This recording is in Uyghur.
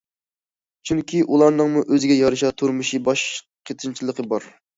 چۈنكى ئۇلارنىڭمۇ ئۆزىگە يارىشا تۇرمۇشى، باش قېتىنچىلىقى بار.